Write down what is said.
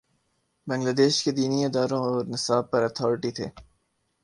بنگلہ دیش کے دینی اداروں اور نصاب پر اتھارٹی تھے۔